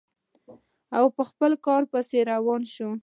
او خپل کار پسې روان شو.